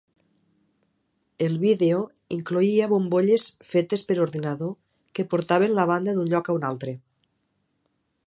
El vídeo incloïa bombolles fetes per ordinador que portaven la banda d'un lloc a un altre.